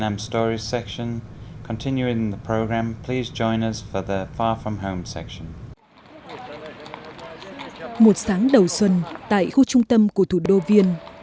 một sáng đầu xuân tại khu trung tâm của thủ đô viên